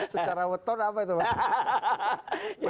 secara weton apa itu mas